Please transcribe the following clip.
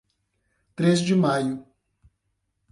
Três de Maio